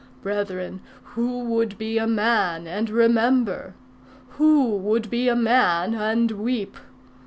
brethren, who would be a man and remember? Who would be a man and weep?